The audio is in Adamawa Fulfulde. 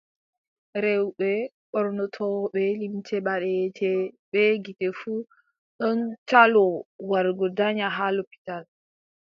Rewɓe ɓornotooɓe limce ɓaleeje bee gite fuu ɗon caloo wargo danya haa lopital.